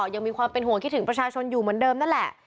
ยังมีความเป็นห่วงคิดถึงประชาชนอยู่เหมือนเดิมนั่นแหละ